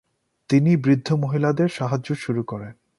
তিনি বৃদ্ধ মহিলাদের সাহায্য শুরু করেন।